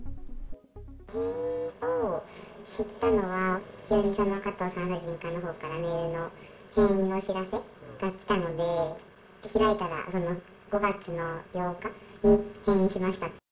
閉院を知ったのは、急にその加藤産婦人科のほうから、メールの閉院のお知らせが来たので、開いたら、５月の８日に閉院しましたって。